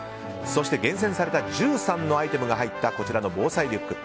そして、厳選された１３のアイテムが入ったこちらの防災リュック。